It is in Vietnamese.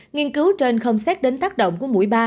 nghiên cứu trên không xét đến tác động của mũi ba